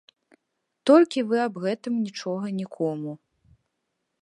Толькі вы аб гэтым нічога нікому.